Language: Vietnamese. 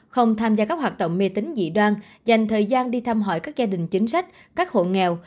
không tham gia các hoạt động mê tính dị đoan dành thời gian đi thăm hỏi các gia đình chính sách các hộ nghèo